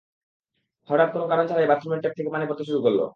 হঠাত্ কোনো কারণ ছাড়াই বাথরুমের ট্যাপ থেকে পানি পড়তে শুরু করল।